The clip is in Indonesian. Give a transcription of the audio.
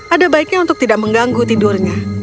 ada baiknya untuk tidak mengganggu tidurnya